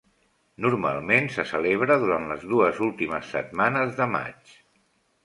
Normalment se celebra durant les dues últimes setmanes de maig.